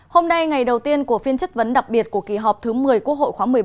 hôm nay ngày đầu tiên của phiên chất vấn đặc biệt của kỳ họp thứ một mươi quốc hội khóa một mươi bốn